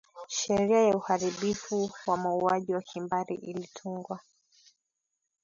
sheria ya uharibifu wa mauaji ya kimbari ilitungwa